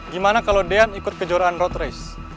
gimana kalau dean ikut kejuaraan road race